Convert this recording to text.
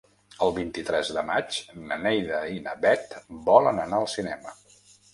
El vint-i-tres de maig na Neida i na Bet volen anar al cinema.